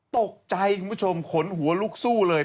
ตกใจคุณผู้ชมขนหัวลุกสู้เลย